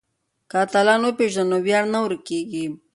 که اتلان وپېژنو نو ویاړ نه ورکيږي.